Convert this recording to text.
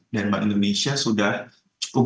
dan mbak indonesia sudah cukup